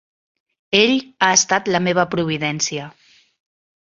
Ell ha estat la meva providència.